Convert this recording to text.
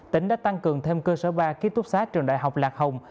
tỉnh đã tăng cường thêm cơ sở ba ký túc xá trường đại học lạc hồng